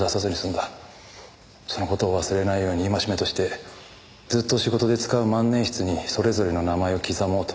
その事を忘れないように戒めとしてずっと仕事で使う万年筆にそれぞれの名前を刻もうと。